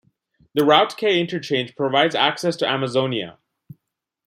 The Route K interchange provides access to Amazonia.